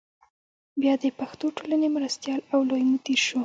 بیا د پښتو ټولنې مرستیال او لوی مدیر شو.